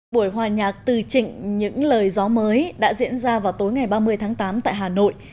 buổi hòa nhạc từ trịnh những lời gió mới đã diễn ra vào tối ngày ba mươi tháng tám tại hà nội